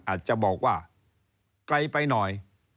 อาจจะบอกว่าไกลไปหน่อย